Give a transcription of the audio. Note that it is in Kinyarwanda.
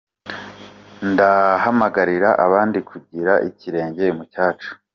Ndahamagarira abandi kugera ikirenge mu cyacu.